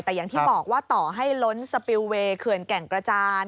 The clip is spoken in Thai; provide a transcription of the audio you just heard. แต่อย่างที่บอกว่าต่อให้ล้นสปิลเวย์เขื่อนแก่งกระจาน